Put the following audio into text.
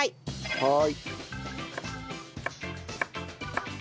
はい。